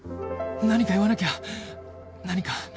何か言わなきゃ何か